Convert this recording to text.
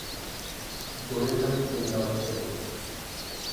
Leku horretan benta bat zegoen.